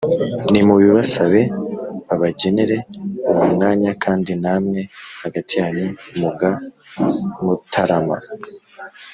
nimubibasabe babagenere uwo mwanya kandi namwe hagati yanyu muga mutarama